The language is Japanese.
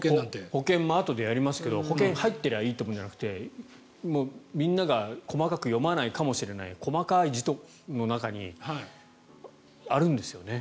保険もあとでやりますが保険も入ってればいいというものではなくてみんなが細かく読まないかもしれない細かい字の中にあるんですよね。